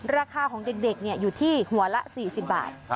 ราคาของเด็กอยู่ที่หัวละ๔๐บาท